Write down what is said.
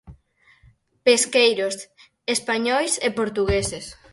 Pesqueiros españois e portugueses.